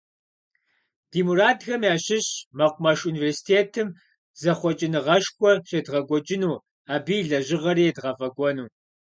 Ди мурадхэм ящыщщ мэкъумэш университетым зэхъуэкӏыныгъэшхуэ щедгъэкӏуэкӏыну, абы и лэжьыгъэри едгъэфӏэкӏуэну.